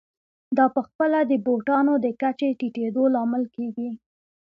دا په خپله د بوټانو د کچې ټیټېدو لامل کېږي